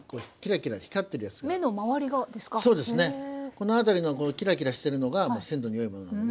この辺りのキラキラしてるのが鮮度の良いものなので。